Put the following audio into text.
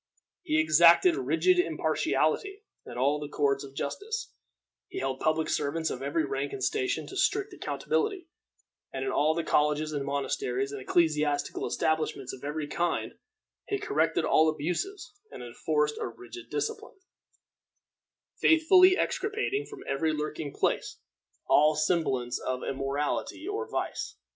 He exacted rigid impartiality in all the courts of justice; he held public servants of every rank and station to a strict accountability; and in all the colleges, and monasteries, and ecclesiastical establishments of every kind, he corrected all abuses, and enforced a rigid discipline, faithfully extirpating from every lurking place all semblance of immorality or vice.